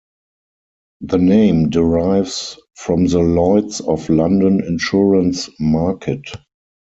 The name derives from the Lloyd's of London insurance market.